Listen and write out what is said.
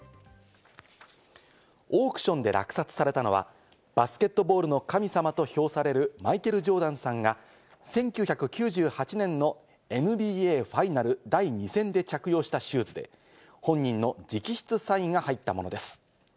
オークションで落札されたのは「バスケットボールの神様」と評されるマイケル・ジョーダンさんが１９９８年のＮＢＡファイナル第２戦で着用したシューズで、本人の直筆サインが入ったものです。